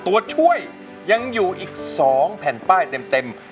ตัวช่วยยังอยู่อีก๒แผ่นป้ายเต็ม